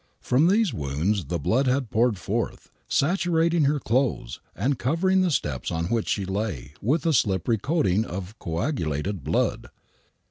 From these wounds the blood had poured forth,, saturating her clothes and covering the steps on which she lay with a slippery coating of coagulated blood.